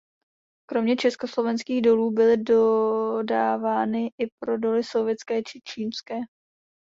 Kromě československých dolů byly dodávány i pro doly sovětské či čínské.